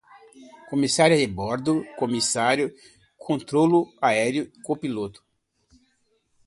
comissária de bordo, comissário, controlo aéreo, copiloto